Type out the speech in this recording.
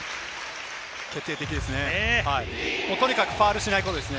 決定的ですね。